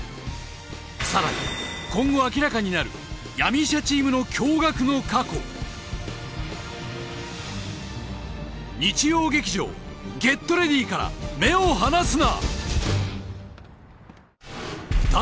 更に今後明らかになる闇医者チームの驚がくの過去日曜劇場「ＧｅｔＲｅａｄｙ！」から目を離すな！